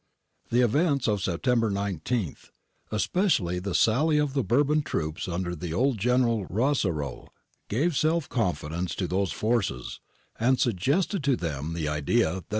The events of September 19, especially the sally of the Bourbon troops under old General Rossaroll, gave self confidence to those forces, and suggested to them the ' Conv.